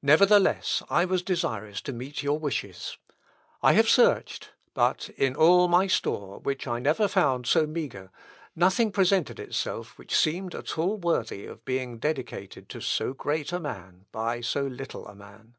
Nevertheless, I was desirous to meet your wishes. I have searched ...; but in all my store, which I never found so meagre, nothing presented itself which seemed at all worthy of being dedicated to so great a man by so little a man."